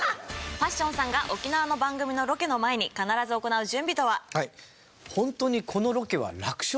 パッションさんが沖縄の番組のロケの前に必ず行う準備とは？